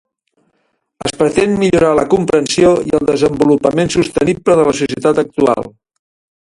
Es pretén millorar la comprensió i el desenvolupament sostenible de la societat actual.